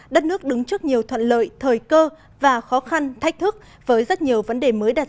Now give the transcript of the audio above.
đất nước đứng trước nhiều thuận lợi thời cơ và khó khăn thách thức với rất nhiều vấn đề mới đặt ra